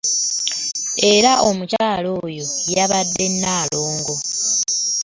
Era omukyala oyo yabadde Nnalongo .